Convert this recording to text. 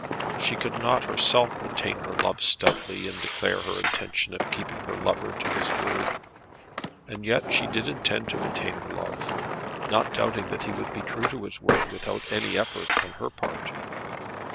She could not herself maintain her love stoutly and declare her intention of keeping her lover to his word; and yet she did intend to maintain her love, not doubting that he would be true to his word without any effort on her part.